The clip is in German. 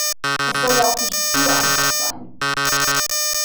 Es soll ja auch nicht zu einfach sein.